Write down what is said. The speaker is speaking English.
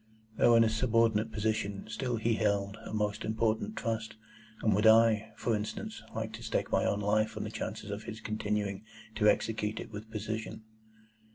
Though in a subordinate position, still he held a most important trust, and would I (for instance) like to stake my own life on the chances of his continuing to execute it with precision?